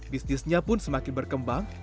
bisnisnya pun semakin berkembang